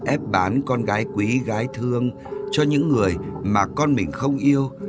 ép bán con gái quý gái thương cho những người mà con mình không yêu